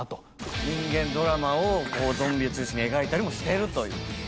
人間ドラマをこうゾンビを中心に描いたりもしてるという。